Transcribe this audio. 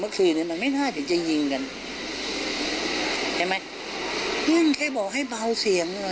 เมื่อนบ้างก็ยืนยันว่ามันเป็นแบบนั้นจริง